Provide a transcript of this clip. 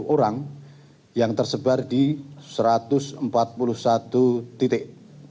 sepuluh orang yang tersebar di satu ratus empat puluh satu titik